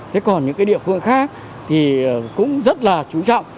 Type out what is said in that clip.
thế còn những cái địa phương khác thì cũng rất là chú trọng